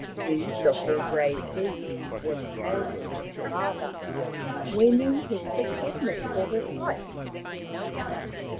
News of her brave deed was carried to her father, winning his forgiveness for her flight.